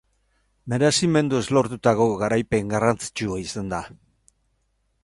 Merezimenduz lortutako garaipen garrantzitsua izan da.